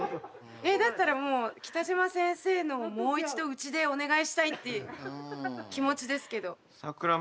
えだったらもう北島先生のをもう一度うちでお願いしたいって気持ちですけど。